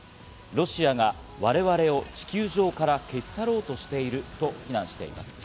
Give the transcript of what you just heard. ロシアが我々を地球上から消し去ろうとしていると非難しています。